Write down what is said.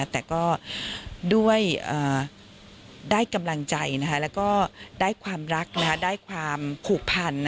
แต่ก็ด้วยได้กำลังใจแล้วก็ได้ความรักได้ความผูกพัน